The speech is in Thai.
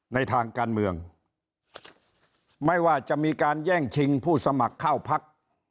ในทางการเมืองไม่ว่าจะมีการแย่งชิงผู้สมัครเข้าพัก